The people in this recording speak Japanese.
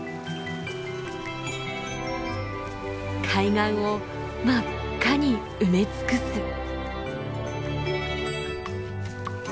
海岸を真っ赤に埋め尽くす。